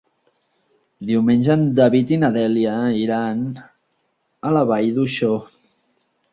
Diumenge en David i na Dèlia iran a la Vall d'Uixó.